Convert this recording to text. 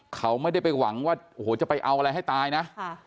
เขาไม่ได้ไปหวังว่าโอ้โหจะไปเอาอะไรให้ตายนะ